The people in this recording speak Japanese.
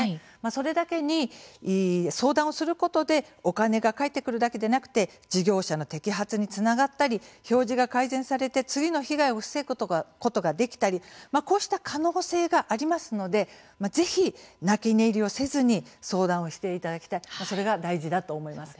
それだけに相談をすることでお金が返ってくるだけでなくて事業者の摘発につながったり表示が改善されて次の被害を防ぐことができたりこうした可能性がありますのでぜひ、泣き寝入りをせずに相談をしていただきたいそれが大事だと思います。